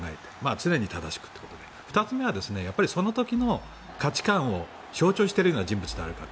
常に正しくということで２つ目はその時の価値観を象徴しているような人物であるか。